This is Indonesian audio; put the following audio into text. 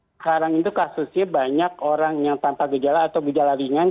sekarang itu kasusnya banyak orang yang tanpa gejala atau gejala ringan